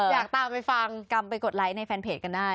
อยากตามไปฟังกรรมไปกดไลค์ในแฟนเพจกันได้